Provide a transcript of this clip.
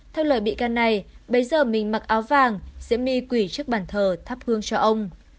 theo lời bị can này bấy giờ mình mặc áo vàng diễm my quỷ trước bàn thờ thắp hương cho ông